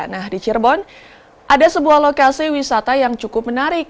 nah di cirebon ada sebuah lokasi wisata yang cukup menarik